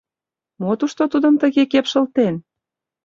Мо тушто тудым тыге кепшылтен?